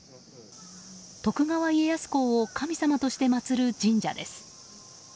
徳川家康公を神様として祭る神社です。